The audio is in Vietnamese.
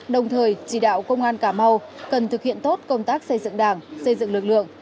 đồng thời chỉ đạo công an cà mau cần thực hiện tốt công tác xây dựng đảng xây dựng lực lượng